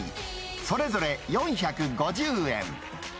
それぞれ４５０円。